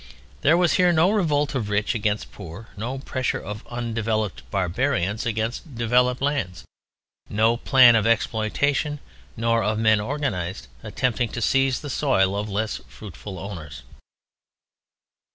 There was here no revolt of rich against poor, no pressure of undeveloped barbarians against developed lands, no plan of exploitation, nor of men organized, attempting to seize the soil of less fruitful owners.